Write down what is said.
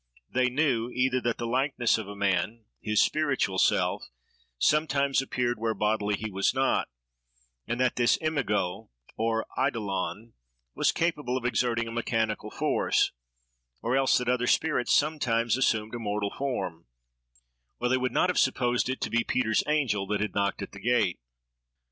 They knew, either that the likeness of a man—his spiritual self—sometimes appeared where bodily he was not; and that this imago or idolon was capable of exerting a mechanical force, or else that other spirits sometimes assumed a mortal form, or they would not have supposed it to be Peter's angel that had knocked at the gate.